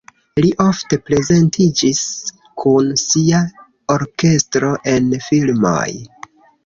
Li ofte prezentiĝis kun sia orkestro en filmoj.